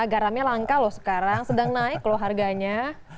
garamnya langka loh sekarang sedang naik loh harganya